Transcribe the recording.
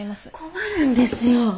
困るんですよ。